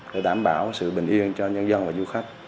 để đảm bảo sự bình yên cho nhân dân và du khách